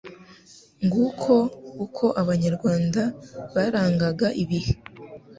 Nguko uko Abanyarwanda barangaga ibihe